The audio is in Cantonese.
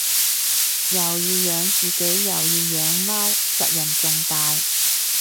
又要養自己又要養貓責任重大